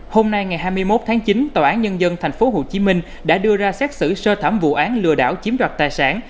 hôm nay ngày hai mươi một tháng chín tòa án nhân dân tp hcm đã đưa ra xét xử sơ thẩm vụ án lừa đảo chiếm đoạt tài sản